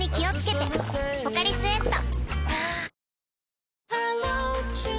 「ポカリスエット」